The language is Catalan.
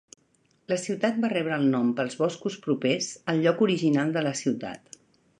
La ciutat va rebre el nom pels boscos propers al lloc original de la ciutat.